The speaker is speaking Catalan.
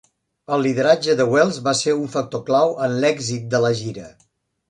El lideratge de Wells va ser un factor clau en l'èxit de la gira.